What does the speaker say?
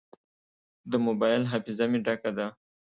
د موبایل حافظه مې ډکه ده.